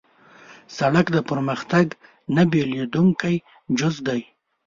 سړک د پرمختګ نه بېلېدونکی جز دی.